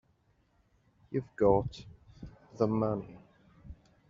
You've got the money.